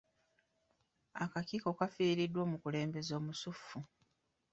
Akakiiko kafiiriddwa omukulembeze omusuffu.